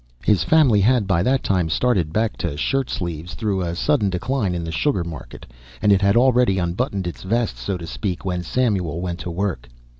His family had by that time started back to shirt sleeves, through a sudden decline in the sugar market, and it had already unbuttoned its vest, so to speak, when Samuel went to work.